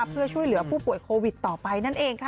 เพื่อช่วยเหลือผู้ป่วยโควิดต่อไปนั่นเองค่ะ